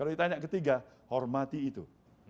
yang ketiga hormati itu